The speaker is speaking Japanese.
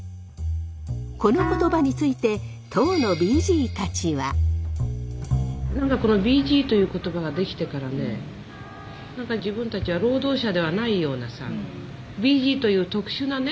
この言葉についてＢＧという言葉が出来てからね何か自分たちは労働者ではないようなさＢＧという特殊なね